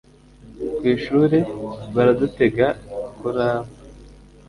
kw'ishure, baradutegeka kuraba